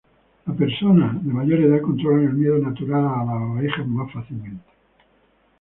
Las personas de mayor edad controlan el miedo natural a las abejas más fácilmente.